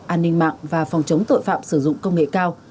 an ninh mạng và phòng chống tội phạm sử dụng công nghệ cao